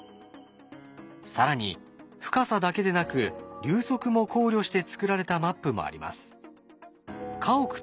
更に深さだけでなく流速も考慮して作られたマップもあります。